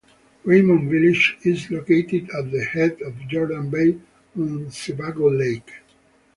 Raymond village is located at the head of Jordan Bay on Sebago Lake.